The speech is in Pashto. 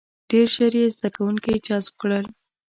• ډېر ژر یې زده کوونکي جذب کړل.